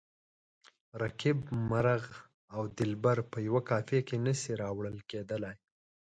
رقیب، مرغ او دلبر په یوه قافیه کې نه شي راوړل کیدلای.